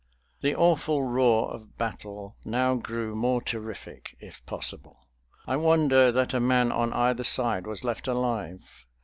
The awful roar of battle now grew more terrific, if possible. I wonder that a man on either side was left alive.